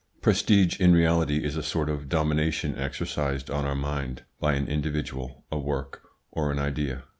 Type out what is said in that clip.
Prestige in reality is a sort of domination exercised on our mind by an individual, a work, or an idea.